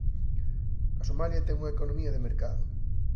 A Somalia ten unha economía de mercado.